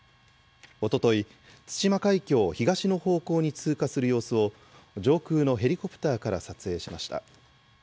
おととい、対馬海峡を東の方向に通過する様子を、上空のヘリコプターから撮影しました。